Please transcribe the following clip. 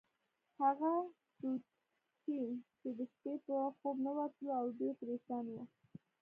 هغه ډوچي چې د شپې به خوب نه ورتلو، او ډېر پرېشان وو.